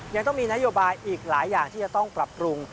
ยังต้องมีนโยบายอีกหลายอย่างที่จะต้องปรับปรุง